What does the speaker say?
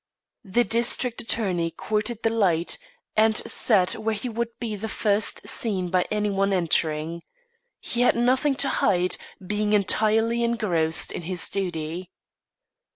The district attorney courted the light, and sat where he would be the first seen by any one entering. He had nothing to hide, being entirely engrossed in his duty.